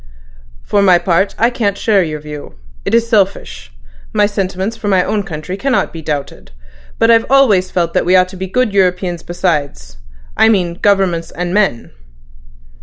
"For my part, I can't share your view. It is selfish. My sentiments for my own country cannot be doubted; but I've always felt that we ought to be good Europeans besides—I mean governments and men."